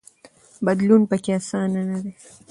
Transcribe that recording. بدلون پکې اسانه نه دی.